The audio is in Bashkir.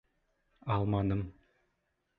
Алманым.